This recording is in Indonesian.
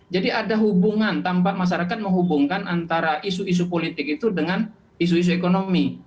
jadi ada hubungan tampak masyarakat menghubungkan antara isu isu politik itu dengan isu isu ekonomi